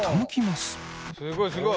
すごいすごい。